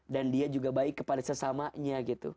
dan dia juga baik kepada sesamanya gitu